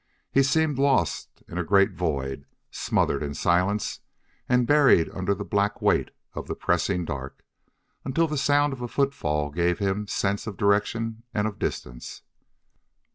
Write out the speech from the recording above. He seemed lost in a great void, smothered in silence, and buried under the black weight of the pressing dark, until the sound of a footfall gave him sense of direction and of distance.